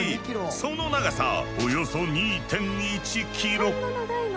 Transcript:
その長さおよそ２．１キロ。